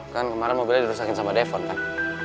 kan kemarin mobilnya dirusakin sama depon kan